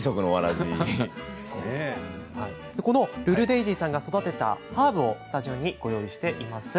ルルデイジーさんが育てたハーブをスタジオにご用意しています。